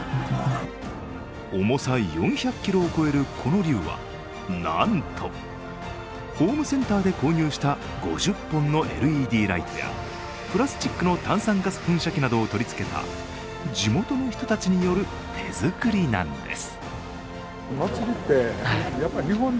重さ４００ｋｇを超えるこの龍は、なんとホームセンターで購入した５０本のＬＥＤライトやプラスチックの炭酸ガス噴射器などを取りつけた地元の人たちによる手作りなんです。